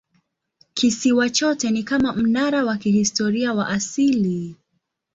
Kisiwa chote ni kama mnara wa kihistoria wa asili.